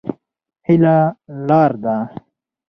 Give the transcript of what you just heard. هيله لار ده.